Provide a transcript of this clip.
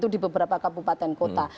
di beberapa kabupaten kota